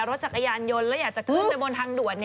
รถจักรยานยนต์แล้วอยากจะขึ้นไปบนทางด่วน